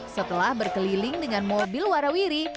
setelah berkeliling dengan mobil warawiri